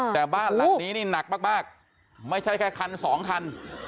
แต่บ้านหลังนี้นี่หนักมากไม่ใช่แค่คันสองคัน